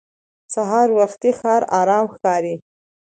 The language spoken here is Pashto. سهار وختي ښار ارام ښکاري